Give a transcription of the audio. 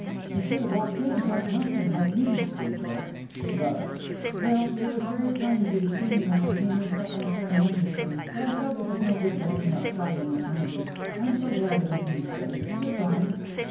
"It should have walked in without knocking, like me," said Jill. She got up. "Well, it was very kind of you to see me when I came in so unceremoniously. But I felt it was no good waiting outside on that landing. I'm so glad everything is settled. Good bye."